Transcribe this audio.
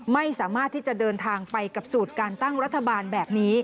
ไม่สามารถที่จะเดินทางไปกับสูตรการตั้งรัฐบาลแบบนี้